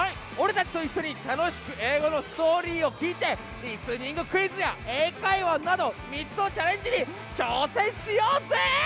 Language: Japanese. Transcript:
俺たちと一緒に楽しく英語のストーリーを聞いてリスニングクイズや英会話など３つのチャレンジに挑戦しようぜ！